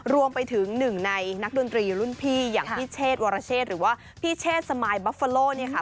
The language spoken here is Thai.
รวมไปถึงหนึ่งในนักดนตรีรุ่นพี่อย่างพี่เชษวรเชษหรือว่าพี่เชษสมายบัฟเฟอโลเนี่ยค่ะ